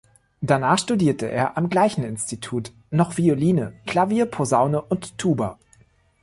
Danach studierte er am gleichen Institut noch Violine, Klavier, Posaune und Tuba.